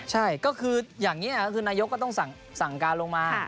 ใช่ก็คืออย่างนี้คือนายกก็ต้องสั่งการลงมา